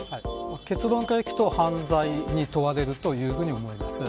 結論からいくと犯罪に問われるというふうに思います。